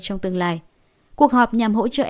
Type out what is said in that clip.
trong tương lai cuộc họp nhằm hỗ trợ